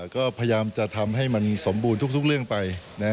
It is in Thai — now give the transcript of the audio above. ก็พยายามจะทำให้มันสมบูรณ์ทุกเรื่องไป